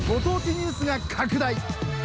ニュースが拡大。